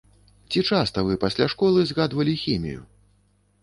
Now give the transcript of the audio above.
Ці часта вы пасля школы згадвалі хімію?